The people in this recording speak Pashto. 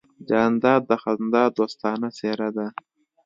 جانداد د خندا دوستانه څېرہ ده.